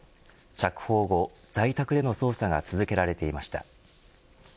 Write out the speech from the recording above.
釈放後、在宅での捜査が続けられていました。